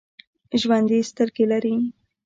ژوندي سترګې لري